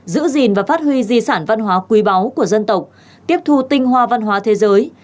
giữ gìn và phát huy di sản văn hóa quý báu của dân tộc tiếp thu tinh hoa văn hóa thế giới